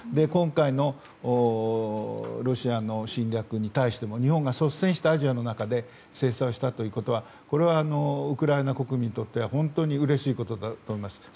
今回のロシアの侵略に対しても日本が率先してアジアの中で制裁をしたということはウクライナ国民にとっては本当にうれしいことだと思います。